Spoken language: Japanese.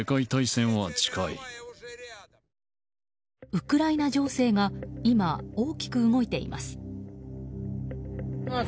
ウクライナ情勢が今、大きく動いています。